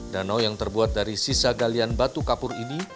danau yang terbuat dari sisa galian batu kapur ini